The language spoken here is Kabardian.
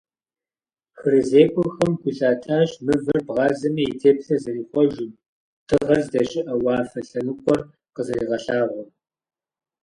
ХырызекӀуэхэм гу лъатащ, мывэр бгъазэмэ и теплъэр зэрихъуэжым, дыгъэр здэщыӀэ уафэ лъэныкъуэр къызэригъэлъагъуэм.